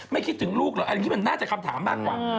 ไม่คิดถึงลูกหรอกอันนี้มันน่าจะคำถามมากกว่า